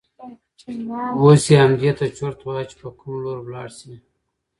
اوس یې همدې ته چرت واهه چې په کوم لور ولاړ شي.